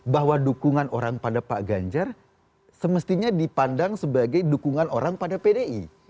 bahwa dukungan orang pada pak ganjar semestinya dipandang sebagai dukungan orang pada pdi